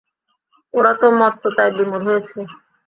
ওরা তো মত্ততায় বিমূঢ় হয়েছে।